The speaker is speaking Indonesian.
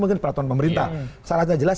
mungkin peraturan pemerintah syaratnya jelas